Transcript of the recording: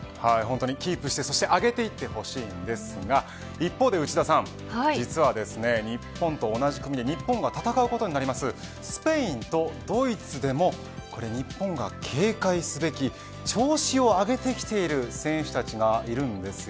キープして上げていってほしいですが一方で実は日本と同じ組で日本と戦うことになるスペインとドイツでも日本が警戒すべき調子を上げてきている選手たちがいるんです。